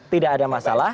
tidak ada masalah